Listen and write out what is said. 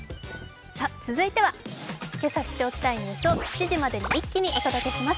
続いては、今朝知っておきたいニュースを７時までに一気にお届けします